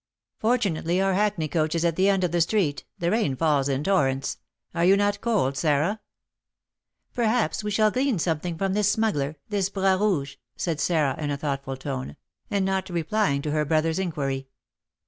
"Fortunately our hackney coach is at the end of the street; the rain falls in torrents. Are you not cold, Sarah?" "Perhaps we shall glean something from this smuggler, this Bras Rouge," said Sarah, in a thoughtful tone, and not replying to her brother's inquiry.